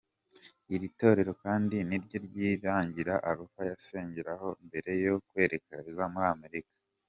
Iri torero kandi niryo Rwirangira Alpha yasengeragaho mbere yo kwerekeza muri Amerika.